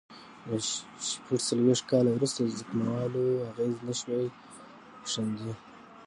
له شپږ څلوېښت کال وروسته ځمکوالو اغېز نه شوای ښندي.